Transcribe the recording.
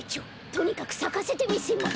とにかくさかせてみせます。